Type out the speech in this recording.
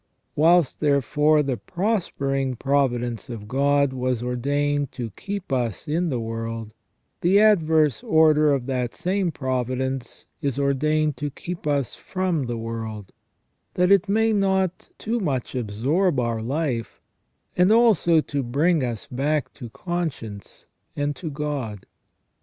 Whilst, therefore, the prospering providence of God was ordained to keep us in the world, the adverse order of that same providence is ordained to keep us from the world, that it may not too much absorb our life, and also to bring us back to conscience and to God.